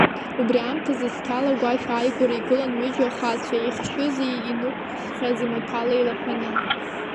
Убри аамҭазы асқьала агәашә ааигәара игылан ҩыџьа ахацәа, иҟьшьызи, инықәсхьази маҭәала еилаҳәаны.